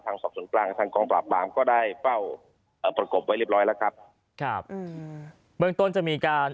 ตอนนี้ทางทางสอบส่วนกลางก็ได้เป้าประกบไว้เรียบร้อยแล้วครับ